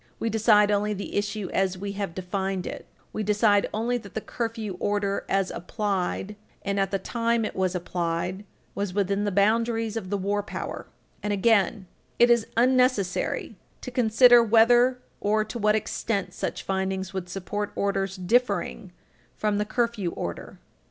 "We decide only the issue as we have defined it we decide only that the curfew order, as applied, and at the time it was applied, was within the boundaries of the war power." 320 U.S. at 320 U. S. 102. And again: "It is unnecessary to consider whether or to what extent such findings would support orders differing from the curfew order." 320 U.S. at 320 U. S. 105. (Italics supplied.)